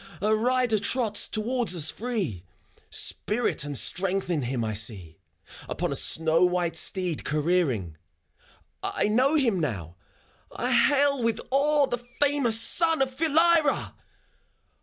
A rider trots towards us free : Spirit and strength in him I see, — Upon a snow white steed careering. ... I know him now, I hail with awe The famous son of Philyra